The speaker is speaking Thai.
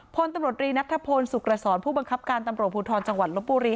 พลตำรวจรีนัทธพลสุขรสรผู้บังคับการตำรวจภูทรจังหวัดลบบุรี